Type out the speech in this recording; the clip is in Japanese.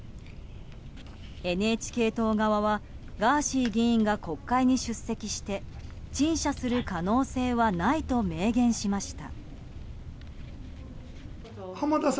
ＮＨＫ党側はガーシー議員が国会に出席して陳謝する可能性はないと明言しました。